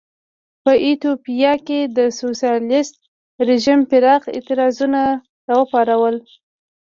په ایتوپیا کې د سوسیالېست رژیم پراخ اعتراضونه را وپارول.